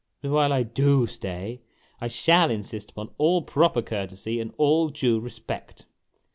But while I do stay I shall insist upon all proper courtesy and all clue respect